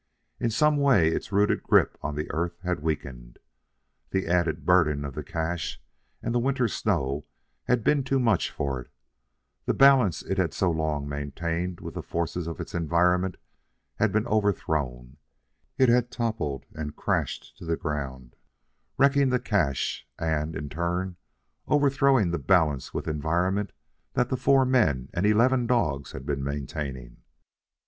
In some way its rooted grip on the earth had weakened. The added burden of the cache and the winter snow had been too much for it; the balance it had so long maintained with the forces of its environment had been overthrown; it had toppled and crashed to the ground, wrecking the cache and, in turn, overthrowing the balance with environment that the four men and eleven dogs had been maintaining.